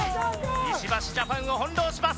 石橋ジャパンを翻弄します。